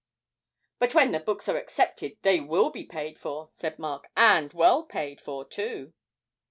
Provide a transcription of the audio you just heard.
'But when the books are accepted, they will be paid for,' said Mark, 'and well paid for too.'